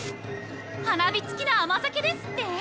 花火つきの甘酒ですって？